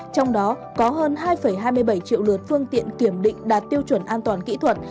trong đó có hơn hai hai mươi bảy triệu lượt phương tiện kiểm định đạt tiêu chuẩn an toàn kỹ thuật